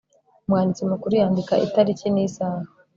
umwanditsi mukuru yandika itariki n'isaha